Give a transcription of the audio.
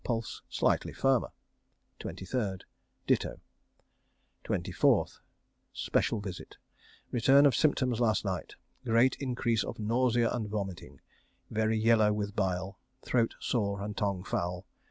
Pulse slightly firmer. 23rd. Ditto. 24th. Special visit. Return of symptoms last night. Great increase of nausea and vomiting very yellow with bile. Throat sore and tongue foul.